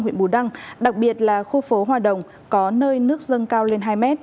huyện bù đăng đặc biệt là khu phố hòa đồng có nơi nước dâng cao lên hai m